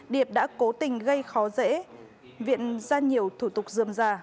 điệp đã cố tình gây khó dễ viện ra nhiều thủ tục dơm ra